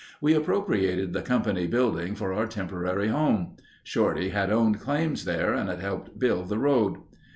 We appropriated the company building for our temporary home. Shorty had owned claims there and had helped build the road.